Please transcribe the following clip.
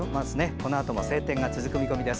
このあとも晴天が続く見込みです。